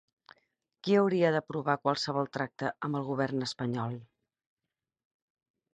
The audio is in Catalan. Qui hauria d'aprovar qualsevol tracte amb el govern espanyol?